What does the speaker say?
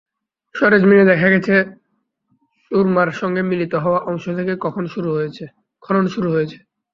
সরেজমিনে দেখা গেছে, সুরমার সঙ্গে মিলিত হওয়া অংশ থেকে খনন শুরু হয়েছে।